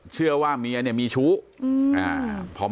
เชื่อว่าเมียเนี่ยมีชู้อืมอ่า